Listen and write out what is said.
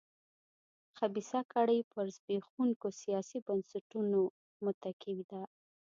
خبیثه کړۍ پر زبېښونکو سیاسي بنسټونو متکي ده.